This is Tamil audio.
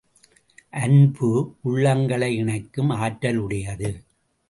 அன்பு, உள்ளங்களை இணைக்கும் ஆற்றலுடையது.